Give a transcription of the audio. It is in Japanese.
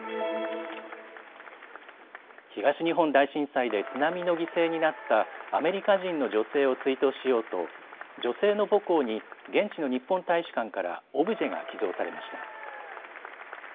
東日本大震災で津波の犠牲になったアメリカ人の女性を追悼しようと女性の母校に現地の日本大使館からオブジェが寄贈されました。